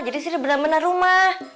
jadi sri benar benar rumah